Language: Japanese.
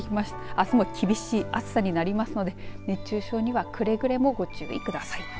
あすも厳しい暑さになりますので熱中症にもくれぐれもご注意ください。